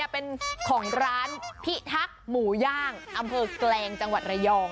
เป็นของร้านพิทักษ์หมูย่างอำเภอแกลงจังหวัดระยอง